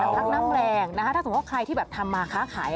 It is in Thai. พักน้ำแรงนะคะถ้าสมมุติว่าใครที่แบบทำมาค้าขาย